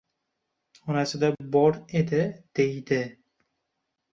Onasida bor edi, deydi..